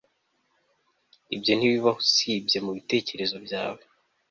Ibyo ntibibaho usibye mubitekerezo byawe